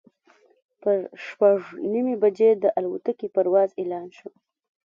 پر شپږ نیمې بجې د الوتکې پرواز اعلان شو.